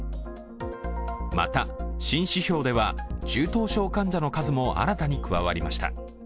また、新指標では中等症患者の数も新たに加わりました。